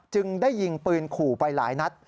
จึงได้ยิงปืนขู่ไปหลายนัด